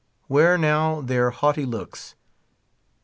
Where now their haughty looks?